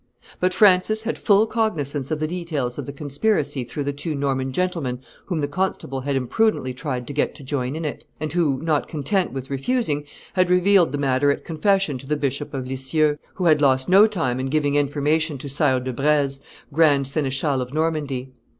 But Francis had full cognizance of the details of the conspiracy through two Norman gentlemen whom the constable had imprudently tried to get to join in it, and who, not content with refusing, had revealed the matter at confession to the Bishop of Lisieux, who had lost no time in giving information to Sire de Breze, grand seneschal of Normandy.